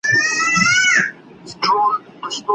ځيني قريبان ستاسو د ښه ژوند سره موافق ندي.